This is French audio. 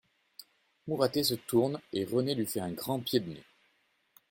Mouratet se tourne et Renée lui fait un grand pied de nez.